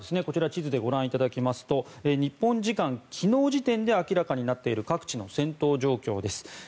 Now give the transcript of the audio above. こちら地図でご覧いただきますと日本時間昨日時点で明らかになっている各地の戦闘状況です。